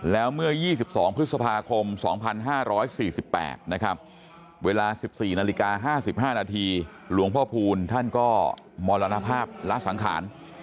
แล้วเมื่อ๒๒พฤษภาคม๒๕๔๘นะครับเวลา๑๔นาฬิกา๕๕นาทีหลวงพ่อพูลท่านก็มรณภาพละสังขาร